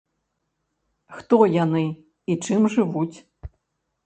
Хто яны і чым жывуць?